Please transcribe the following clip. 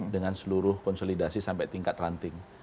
dengan seluruh konsolidasi sampai tingkat ranting